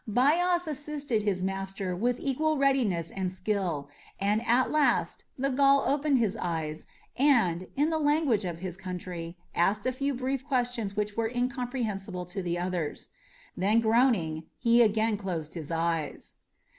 Bias assisted his master with equal readiness and skill, and at last the Gaul opened his eyes and, in the language of his country, asked a few brief questions which were incomprehensible to the others. Then, groaning, he again closed his lids.